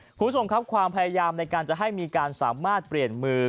คุณผู้ชมครับความพยายามในการจะให้มีการสามารถเปลี่ยนมือ